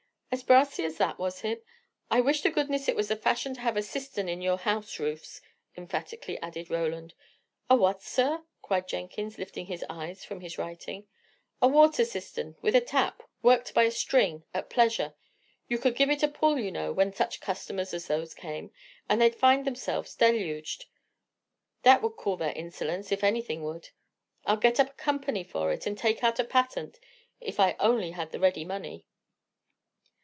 "As brassy as that, was he! I wish to goodness it was the fashion to have a cistern in your house roofs!" emphatically added Roland. "A what, sir?" cried Jenkins, lifting his eyes from his writing. "A water cistern, with a tap, worked by a string, at pleasure. You could give it a pull, you know, when such customers as those came, and they'd find themselves deluged. That would cool their insolence, if anything would. I'd get up a company for it, and take out a patent, if I only had the ready money."